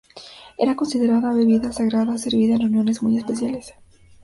Era considerada bebida sagrada, servida en reuniones muy especiales.